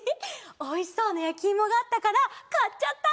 おいしそうなやきいもがあったからかっちゃった！